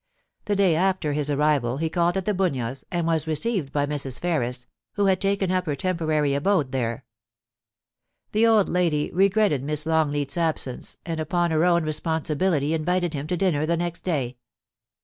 The day after his arrival he called at The Bunyas, and was received by Mrs. Ferris, who had taken up her tem porary abode there. The old lady regretted Miss Long leat's absence, and upon her own responsibility invited him to dinner the next day.